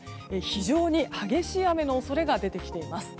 非常に激しい雨の恐れが出てきています。